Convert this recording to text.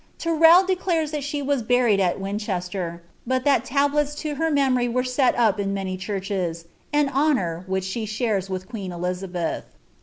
I declares that she was buried at Winchester, but that tablets to ory were set up in many churches^ — an honour, which she ith queen Elizabeth.